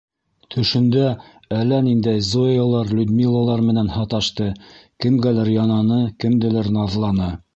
Төшөндә әллә ниндәй Зоялар, Людмилалар менән һаташты, кемгәлер янаны, кемделер наҙланы.